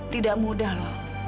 tidak mudah loh